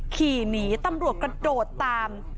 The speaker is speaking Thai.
ขี่หนีตำรวจกระโดดตาม